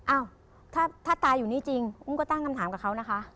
อ้าวถ้าตาอยู่นี่จริงอุ้มก็ตั้งคำถามกับเขานะคะ